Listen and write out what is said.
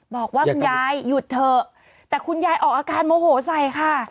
บอกว่าคุณยายหยุดเถอะแต่คุณยายออกอาการโมโหใส่ค่ะ